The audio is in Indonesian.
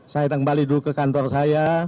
saya kembali dulu ke kantor saya